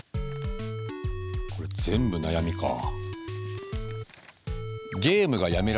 これ全部悩みかあ。